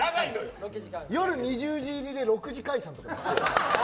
夜２０時入りで６時解散とかだった。